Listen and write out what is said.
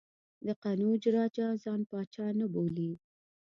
د قنوج راجا ځان پاچا نه بولي.